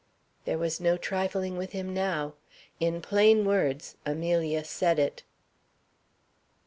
There was no trifling with him now. In plain words Amelia said it.